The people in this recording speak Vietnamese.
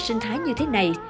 và sự sinh thái như thế này